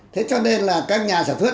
thế cho nên là các nhà sản phẩm